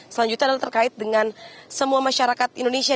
selanjutnya adalah terkait dengan semua masyarakat indonesia